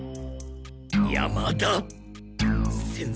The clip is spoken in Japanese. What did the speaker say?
山田先生。